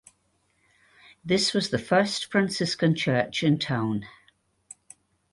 This was the first Franciscan church in town.